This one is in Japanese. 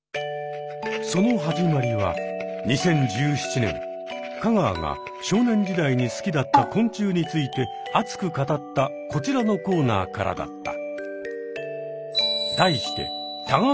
そのはじまりは２０１７年香川が少年時代に好きだった昆虫について熱く語ったこちらのコーナーからだった。